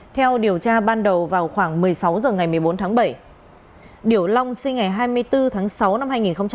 theo điều tra ban đầu vào khoảng một mươi sáu h ngày một mươi bốn tháng bảy điểu long sinh ngày hai mươi bốn tháng sáu năm hai nghìn một mươi ba